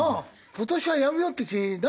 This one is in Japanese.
今年はやめようっていう気ないのかね？